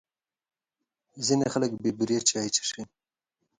ځینې خلک بې بوري چای څښي.